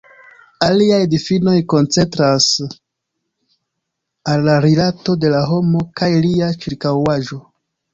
Aliaj difinoj koncentras al la rilato de la homo kaj lia ĉirkaŭaĵo.